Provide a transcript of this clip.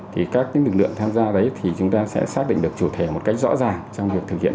thì các lực lượng tham gia đấy thì chúng ta sẽ xác định được chủ thể một cách rõ ràng trong việc thực hiện